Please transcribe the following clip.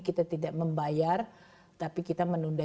kita tidak membayar tapi kita menunda